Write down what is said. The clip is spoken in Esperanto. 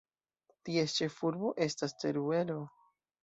Ties ĉefurbo estas Teruelo.